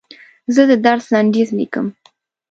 زه د درس لنډیز لیکم.